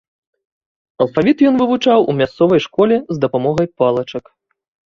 Алфавіт ён вывучаў у мясцовай школе з дапамогай палачак.